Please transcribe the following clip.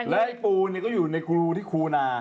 แล้วปู่เนี่ยก็อยู่ในกรูที่คูนา